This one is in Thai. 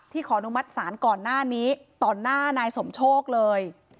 ขออนุมัติศาลก่อนหน้านี้ต่อหน้านายสมโชคเลย